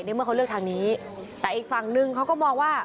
เมื่อเขาเลือกทางนี้แต่อีกฝั่งนึงเขาก็มองว่า